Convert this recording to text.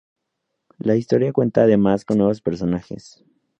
La historia cuenta además con nuevos personajes.